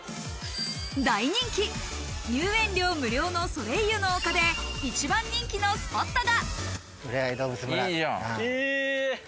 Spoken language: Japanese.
大人気、入園料無料のソレイユの丘で一番人気のスポットが。